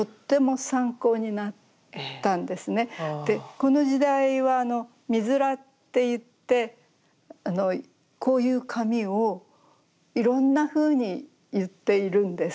この時代は「角髪」っていってこういう髪をいろんなふうに結っているんです。